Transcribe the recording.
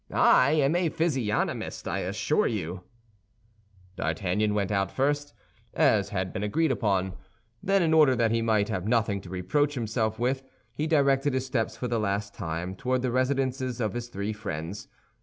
I am a physiognomist, I assure you." D'Artagnan went out first, as had been agreed upon. Then, in order that he might have nothing to reproach himself with, he directed his steps, for the last time, toward the residences of his three friends.